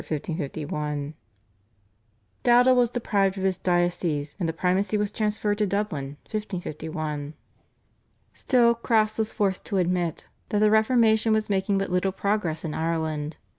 1551). Dowdall was deprived of his diocese, and the Primacy was transferred to Dublin (1551). Still Crofts was forced to admit that the Reformation was making but little progress in Ireland.